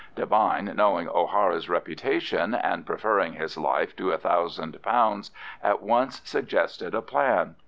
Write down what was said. Devine, knowing O'Hara's reputation, and preferring his life to £1000, at once suggested a plan.